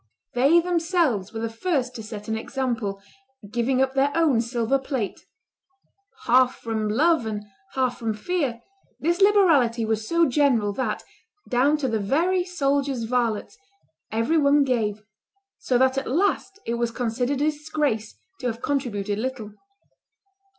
They themselves were the first to set an example, giving up their own silver plate. ... Half from love and half from fear, this liberality was so general, that, down to the very soldiers' varlets, every one gave; so that at last it was considered a disgrace to have contributed little.